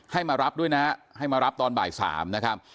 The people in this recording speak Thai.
ให้มารับด้วยนะให้มารับตอนบ่าย๓นะครับ